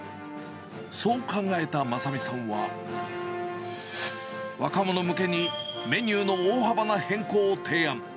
そう考えた正巳さんは、若者向けにメニューの大幅な変更を提案。